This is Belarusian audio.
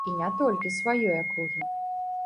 І не толькі сваёй акругі.